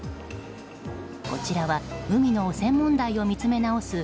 こちらは海の汚染問題を見つめ直す